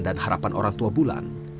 dan harapan orang tua bulan